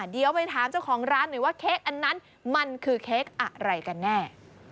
เดี๋ยวไปถามเจ้าของร้านหน่อยว่าเค้กอันนั้นมันคือเค้กอะไรกันแน่